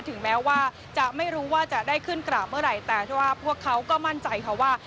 ถึงแม้ว่าจะไม่รู้ว่าจะได้ขึ้นกราบเมื่อไหร่แต่ที่ว่าพวกเขาก็มั่นใจค่ะว่า